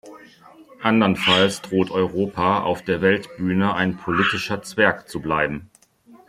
Andernfalls droht Europa auf der Weltbühne ein politischer Zwerg zu bleiben.